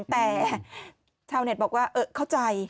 แต่ชาวเน็ตบอกว่าเข้าใจ